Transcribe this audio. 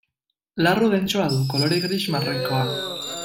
Larru dentsoa du, kolore gris-marroikoa.